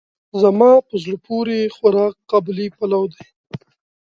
زما په زړه پورې خوراک قابلي پلو دی.